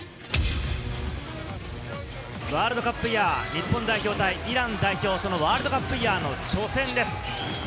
ワールドカップイヤー、日本代表対イラン代表、ワールドカップイヤーの初戦です。